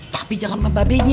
tapi jangan mabah babeni